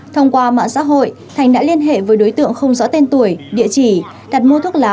thông qua mạng xã hội thành đã liên hệ với đối tượng không rõ tên tuổi địa chỉ đặt mua thuốc lá